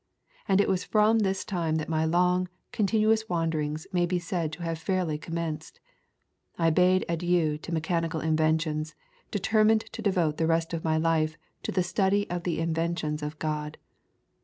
And it was from this time that my long, continuous wanderings may be said to have fairly commenced. I bade adieu to mechanical inventions, determined to devote the rest of my life to the study of the inventions of God.